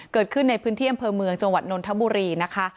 เกิดขึ้นในพื้นที่อำเภอเมืองจังหวัดนนทบุรีนะคะ